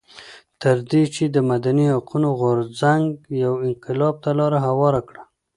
تر دې چې د مدني حقونو غورځنګ یو انقلاب ته لار هواره کړه.